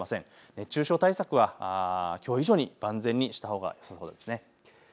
熱中症対策はきょう以上に万全にしたほうがよさそうです。